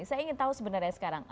saya ingin tahu sebenarnya sekarang